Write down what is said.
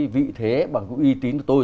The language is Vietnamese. vị thế bằng cái uy tín của tôi